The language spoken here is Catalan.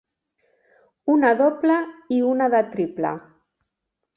Una doble i una de triple.